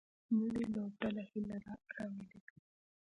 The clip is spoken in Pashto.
نوې لوبډله هیله راولي